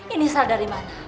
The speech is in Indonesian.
ini sal dari mana